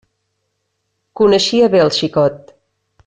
Coneixia bé el xicot.